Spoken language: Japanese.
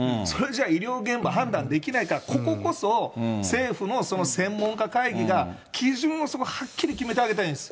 それじゃあ医療現場判断できないから、こここそ、政府のその専門家会議が、基準をはっきり決めてあげないと。